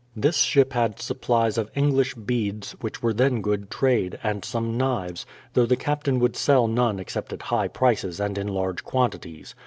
This ship had supplies of English beads which were then good trade, and some knives, — though the Captain would sell none except at high prices and in large quantities.